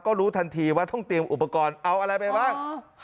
ก็รู้ทันทีว่าต้องเตรียมอุปกรณ์เอาอะไรไปบ้าง